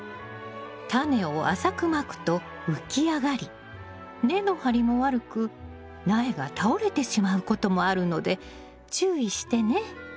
タネを浅くまくと浮き上がり根の張りも悪く苗が倒れてしまうこともあるので注意してね。